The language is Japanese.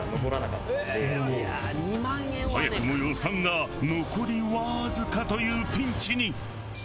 早くも予算が残りわずかというピンチに！